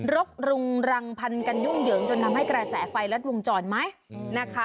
รกรุงรังพันกันยุ่งเหยิงจนทำให้กระแสไฟรัดวงจรไหมนะคะ